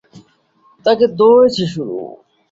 তাকে ধরেছি শুধু।